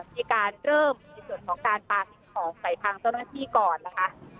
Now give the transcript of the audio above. มีการเริ่มในส่วนของการปลาสิ่งของใส่ทางเจ้าหน้าที่ก่อนนะคะ